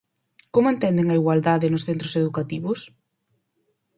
¿Como entenden a igualdade nos centros educativos?